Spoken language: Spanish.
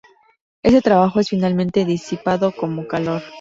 Este trabajo es finalmente disipado como calor.